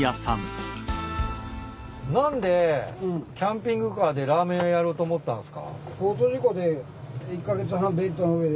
何でキャンピングカーでラーメン屋やろうと思ったんすか？